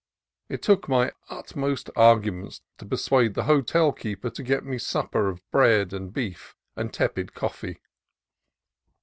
It took my utmost arguments to persuade the hotel keeper to get me supper of bread, beef, and tepid coffee.